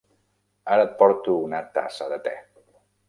Ara et porto una tassa de te.